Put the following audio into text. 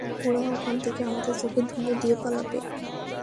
ওরা ওখান থেকে আমাদের চোখে ধুলো দিয়ে পালাবে।